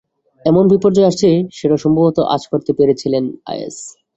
এমন বিপর্যয় আসছে, সেটা সম্ভবত আঁচ করতে পেরেছিল আইএস।